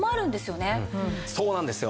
そうなんですよ。